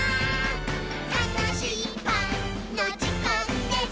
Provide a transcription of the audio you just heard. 「たのしいパンのじかんです！」